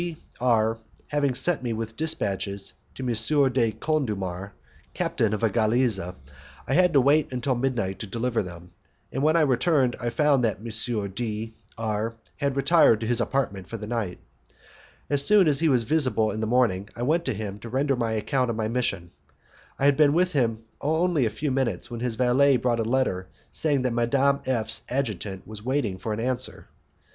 D R having sent me with dispatches to M. de Condulmer, captain of a 'galeazza', I had to wait until midnight to deliver them, and when I returned I found that M. D R had retired to his apartment for the night. As soon as he was visible in the morning I went to him to render an account of my mission. I had been with him only a few minutes when his valet brought a letter saying that Madame F 's adjutant was waiting for an answer.